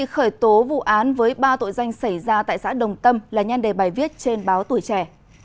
khởi tố vụ án với ba tội danh xảy ra tại xã đồng tâm là nhanh đề bài viết trên báo tuổi trẻ